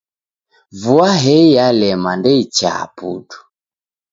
Vua hei yalema ndeichaa putu.